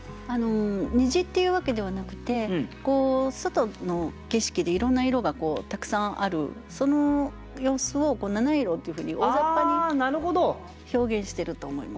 虹っていうわけではなくて外の景色でいろんな色がたくさんあるその様子を「七色」っていうふうに大ざっぱに表現してると思います。